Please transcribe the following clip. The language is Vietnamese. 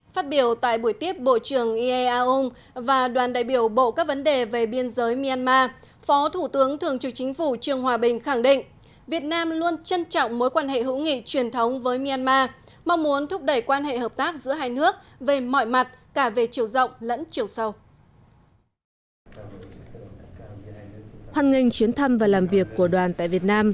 phát biểu tại buổi tiếp bộ trưởng iea ung và đoàn đại biểu bộ các vấn đề về biên giới myanmar phó thủ tướng thường trực chính phủ trương hòa bình khẳng định việt nam luôn trân trọng mối quan hệ hữu nghị truyền thống với myanmar mong muốn thúc đẩy quan hệ hợp tác giữa hai nước về mọi mặt cả về chiều rộng lẫn chiều sâu